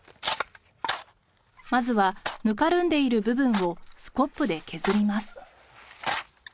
まずはぬかるんでいる部分をスコップで削ります。